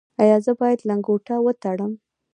ایا زه باید لنګوټه ول تړم؟